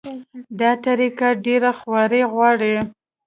دا طریقه ډېره خواري غواړي.